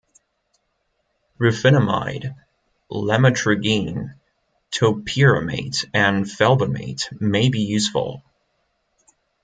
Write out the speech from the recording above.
Rufinamide, lamotrigine, topiramate and felbamate may be useful.